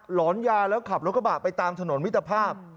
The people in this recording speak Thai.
หอนยาแล้วขับรถกระบะไปตามถนนมิตรภาพ